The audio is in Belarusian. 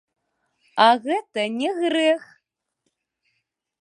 А гэта не грэх.